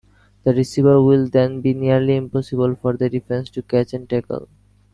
The receiver will then be nearly impossible for the defense to catch and tackle.